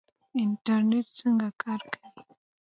انټرنیټ څنګه کار کوي؟